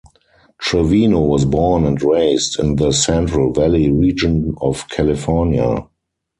Trevino was born and raised in the Central Valley region of California.